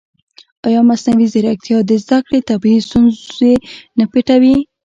ایا مصنوعي ځیرکتیا د زده کړې طبیعي ستونزې نه پټوي؟